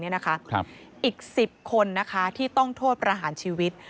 อีก๑๐คนที่ต้องโทษประหารชีวิต